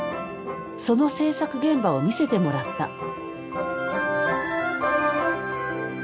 その制作現場を見せてもらった。